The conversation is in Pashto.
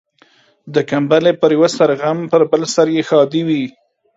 د کمبلي پر يوه سر غم ، پر بل سر يې ښادي وي.